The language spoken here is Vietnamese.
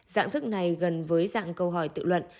dạng thức này gần với dạng câu hỏi tự luận